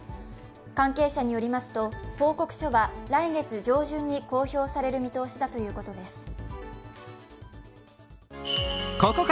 関係者によりますと、報告書は来月上旬に公表される見通しだということです。